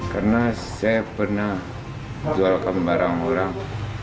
karena saya pernah jual kembarang mbarang